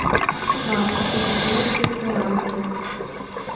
Мап, исызмырцәеит уи амца…